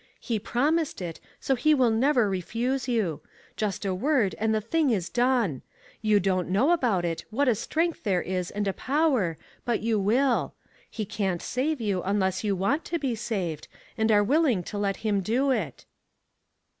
He promised it, so he will never refuse you ; just a word and the thing is done. You don't know about it, what a strength there is and a power, but you will. He can't save you unless you want to be saved, and are willing to let him do it."